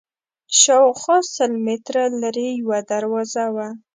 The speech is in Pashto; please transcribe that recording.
شاوخوا سل متره لرې یوه دروازه وه.